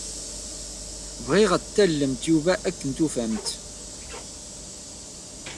Bɣiɣ ad tallemt Yuba akken tufamt.